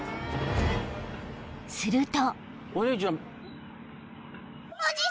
［すると］